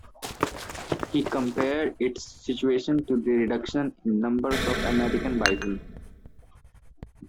He compared its situation to the reduction in numbers of American bison.